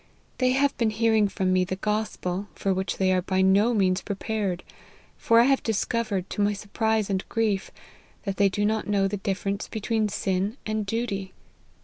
They have been hear ing from me the Gospel, for which they are by no means prepared : for I have discovered, to my sur prise and grief, that they do not know the difference between sin and duty.